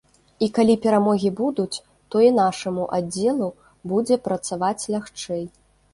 І калі перамогі будуць, то і нашаму аддзелу будзе працаваць лягчэй.